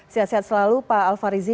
terima kasih pak alfarizi